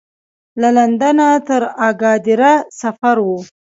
له لندنه تر اګادیره سفر و.